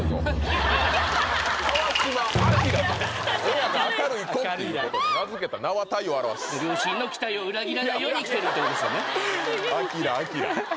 親が「明るい子」っていうことで名付けた名は体を表すご両親の期待を裏切らないように生きてるっていうことですよね